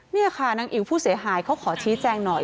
นี่ค่ะนางอิ๋วผู้เสียหายเขาขอชี้แจงหน่อย